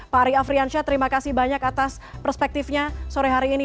pak ari afriansyah terima kasih banyak atas perspektifnya sore hari ini